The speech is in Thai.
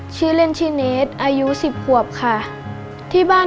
ชื่อเรียนชื่อเนสอายุ๑๐ขวบ